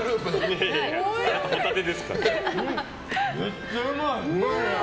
めっちゃうまい。